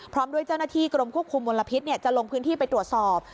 พร้อมด้วยเจ้าหน้าที่กรมควบคุมมลพิษจะลงพื้นที่ไปตรวจสอบ